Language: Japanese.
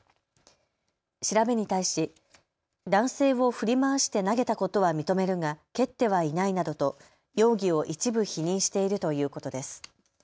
調べに対し男性を振り回して投げたことは認めるが蹴ってはいないなどと容疑を一部否認しているということです。